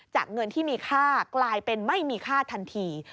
เงินที่มีค่ากลายเป็นไม่มีค่าทันที